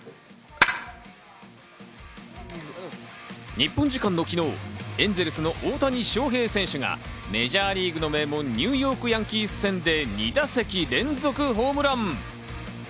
日本時間の昨日、エンゼルスの大谷翔平選手がメジャーリーグの名門ニューヨーク・ヤンキース戦で２打席連続ホームラン。